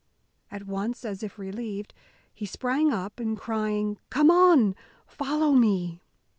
At once, as if relieved, he sprang up, and crying, "Come on, follow me!"